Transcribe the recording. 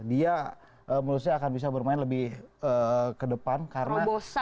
dia menurut saya akan bisa bermain lebih ke depan karena